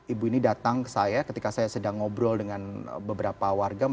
ibu ini datang ke saya ketika saya sedang ngobrol dengan beberapa warga